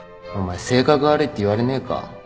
お前性格悪いって言われねえか？